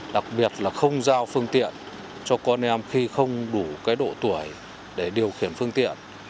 đặc biệt là không giao phương tiện cho con em khi không đủ độ tuổi để điều khiển phương tiện